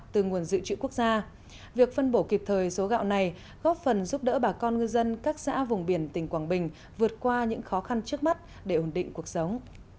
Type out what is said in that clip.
từ nguồn dự trữ quốc gia việc phân bổ kịp thời số gạo này góp phần giúp đỡ bà con ngư dân các xã vùng biển tỉnh quảng bình vượt qua những khó khăn trước mắt để ổn định cuộc sống